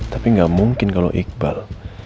tapi nggak mungkin kalau iqbal